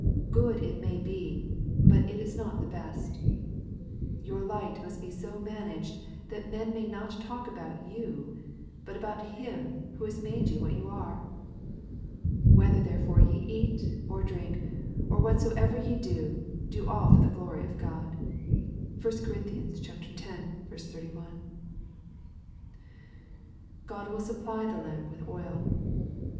Good it may be, but it is not the best. Your light must be so managed that men may not talk about ^ou, but about Him who has made you what you are. " Whether therefore ye eat, or drink, or whatsoever ye do, do all to the glory of Ood " (1 Cor. x. 31). God wiU suftply ihe lamp with oil.